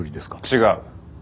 違う。